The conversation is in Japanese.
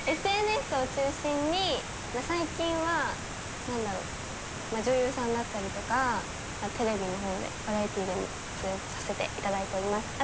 ＳＮＳを中心に最近は女優さんだったりとかテレビの方でバラエティでも活躍させて頂いております。